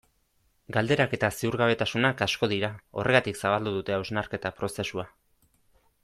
Galderak eta ziurgabetasunak asko dira, horregatik zabaldu dute hausnarketa prozesua.